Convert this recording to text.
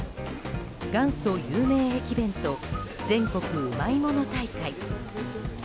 元祖有名駅弁と全国うまいもの大会。